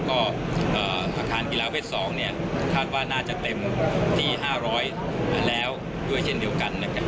ก็อาคารกีฬาเวท๒คาดว่าน่าจะเต็มที่๕๐๐แล้วด้วยเช่นเดียวกัน